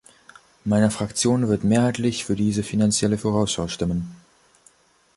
Meine Fraktion wird mehrheitlich für diese Finanzielle Vorausschau stimmen.